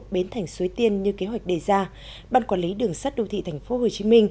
biến thành suối tiên như kế hoạch đề ra ban quản lý đường sắt đô thị tp hcm